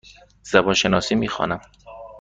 زبان شناسی می خوانم.